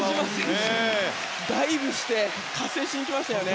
ダイブして加勢しに行きましたね。